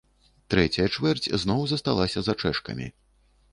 Трэцяя чвэрць зноў засталася за чэшкамі.